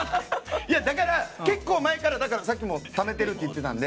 だから、結構前からためてるって言っていたので。